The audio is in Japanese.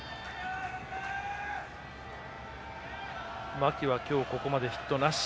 牧は今日ここまでヒットなし。